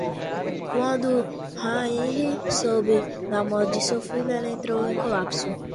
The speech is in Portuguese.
Quando Rhaenyra soube da morte de seu filho, ela entrou em colapso.